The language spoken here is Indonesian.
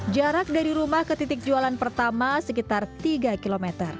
jarak dari rumah ke titik jualan pertama sekitar tiga km